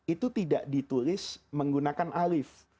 itu tidak ditulis menggunakan alif